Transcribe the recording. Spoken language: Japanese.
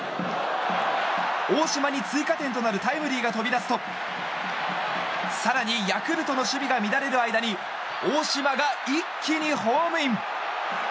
大島に追加点となるタイムリーが飛び出すと更にヤクルトの守備が乱れる間に大島が一気にホームイン！